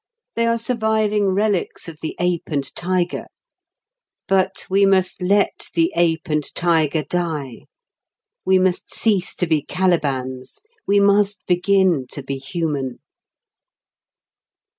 They are surviving relics of the ape and tiger. But we must let the ape and tiger die. We must cease to be Calibans. We must begin to be human.